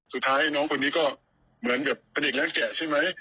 สุดท้ายน้องคนนี้ก็เหมือนกับเป็นเด็กแล้วแกะใช่ไหม